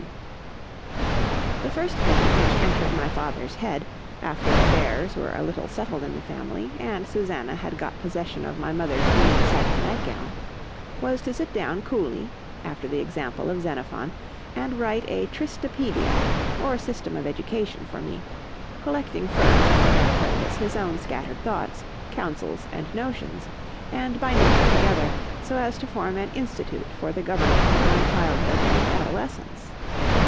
XVI THE first thing which entered my father's head, after affairs were a little settled in the family, and Susanna had got possession of my mother's green sattin night gown,—was to sit down coolly, after the example of Xenophon, and write a TRISTRA pædia, or system of education for me; collecting first for that purpose his own scattered thoughts, counsels, and notions; and binding them together, so as to form an INSTITUTE for the government of my childhood and adolescence.